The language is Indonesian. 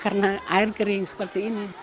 karena air kering seperti ini